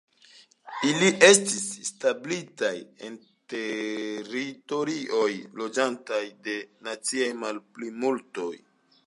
Ili estis establitaj en teritorioj, loĝataj de naciaj malplimultoj.